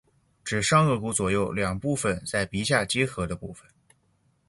指上腭骨左右两部份在鼻下接合的部份。